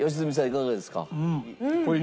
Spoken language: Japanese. いかがですか？